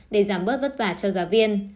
để giảm bớt vất vả cho giả viên